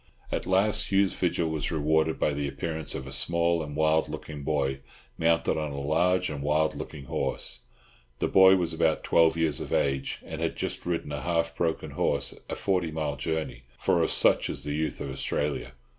At last Hugh's vigil was rewarded by the appearance of a small and wild looking boy, mounted on a large and wild looking horse. The boy was about twelve years of age, and had just ridden a half broken horse a forty mile journey—for of such is the youth of Australia.